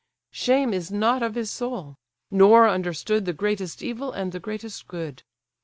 Shame is not of his soul; nor understood, The greatest evil and the greatest good.